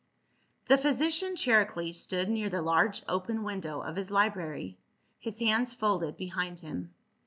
THE physician Charicles stood near the large open window of his hbrary, his hands folded behind him.